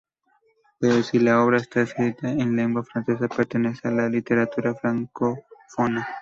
Pero si la obra está escrita en lengua francesa, pertenecen a la literatura francófona.